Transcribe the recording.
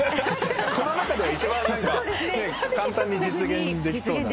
この中では一番簡単に実現できそうな。